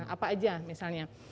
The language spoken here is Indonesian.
apa aja misalnya